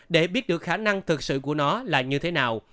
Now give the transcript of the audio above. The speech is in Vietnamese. để biết được khả năng thực sự của nó là như thế nào